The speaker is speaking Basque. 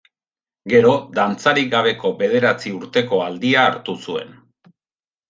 Gero, dantzarik gabeko bederatzi urteko aldia hartu zuen.